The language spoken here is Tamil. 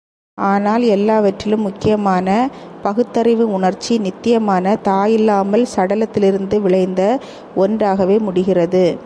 ஆனால், எல்லாவற்றிலும் முக்கியமான பகுத்தறிவு உணர்ச்சி, நித்தியமானதாயில்லாமல், சடத்திலிருந்து விளைந்த ஒன்றாகவே முடிகிறது!